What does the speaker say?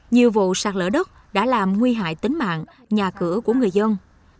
nhiều vụ sạt lở đất đã làm nguy hại tính mạng nhà cửa của người dân